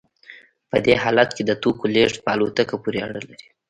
په دې حالت کې د توکو لیږد په الوتکه پورې اړه لري